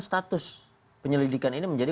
status penyelidikan ini menjadi